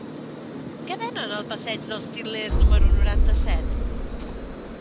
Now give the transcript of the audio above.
Què venen al passeig dels Til·lers número noranta-set?